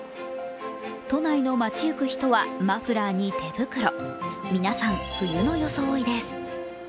都内の街ゆく人はマフラーに手袋、皆さん、冬の装いです。